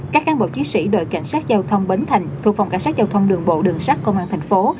các cán bộ chiến sĩ đội cảnh sát giao thông bến thành thuộc phòng cảnh sát giao thông đường bộ đường sát công an thành phố